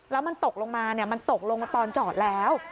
แล้วมันตกลงมามันตกลงมาตอนจอดแล้ว